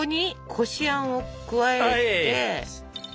こしあんを加えて。